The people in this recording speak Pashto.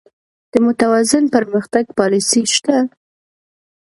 د متوازن پرمختګ پالیسي شته؟